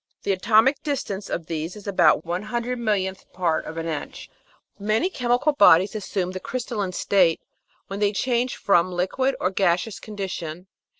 The atomic distance of these is about one hundred millionth part of an inch. Many chemical bodies assume the crystalline state when they Photo: James's Press Agency.